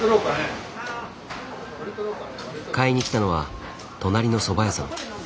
買いに来たのは隣のそば屋さん。